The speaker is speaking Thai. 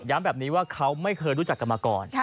แบบนี้ว่าเขาไม่เคยรู้จักกันมาก่อน